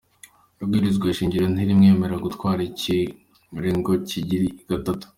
Ibwirizwa shingiro ntirimwemerera gutwara ikiringo kigira gatatu.